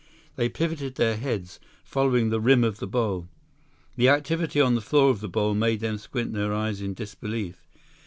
They pivoted their heads, following the rim of the bowl. The activity on the floor of the bowl made them squint their eyes in disbelief.